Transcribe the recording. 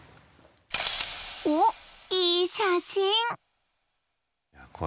おっいい写真！